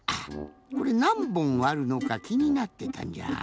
これなんぼんあるのかきになってたんじゃ。